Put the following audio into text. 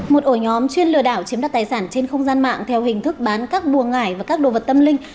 một ổ nhóm chuyên lừa đảo chiếm đặt tài sản trên không gian mạng theo hình thức bán các bùa ngải và các đồ vật tâm linh